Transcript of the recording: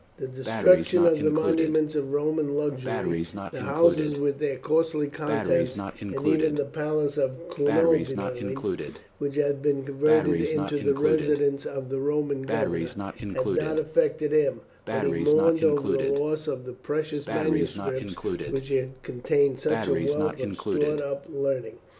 The destruction of the monuments of Roman luxury; the houses with their costly contents; and even the Palace of Cunobeline, which had been converted into the residence of the Roman governor, had not affected him; but he mourned over the loss of the precious manuscripts which had contained such a wealth of stored up learning.